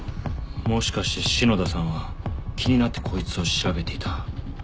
もしかして篠田さんは気になってこいつを調べていた。